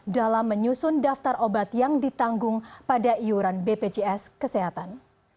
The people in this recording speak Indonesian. dalam menyusun daftar obat yang ditanggung pada iuran bpjs kesehatan